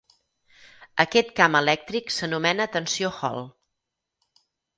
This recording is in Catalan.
Aquest camp elèctric s'anomena tensió Hall.